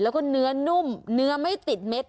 แล้วก็เนื้อนุ่มเนื้อไม่ติดเม็ด